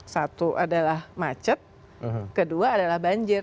satu adalah macet kedua adalah banjir